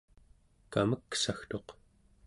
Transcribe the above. kameksagtuq